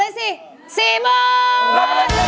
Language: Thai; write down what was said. ตัดสินใจให้ดี